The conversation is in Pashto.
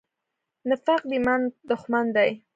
نفاق د ایمان دښمن دی.